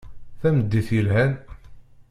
Tameddit yelhan.